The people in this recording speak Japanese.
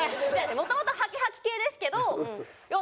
もともとハキハキ系ですけどいや